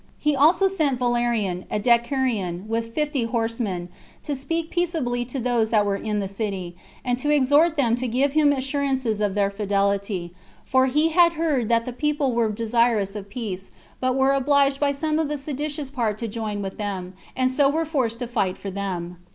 He also sent Valerian, a decurion, with fifty horsemen, to speak peaceably to those that were in the city, and to exhort them to give him assurances of their fidelity; for he had heard that the people were desirous of peace, but were obliged by some of the seditious part to join with them, and so were forced to fight for them.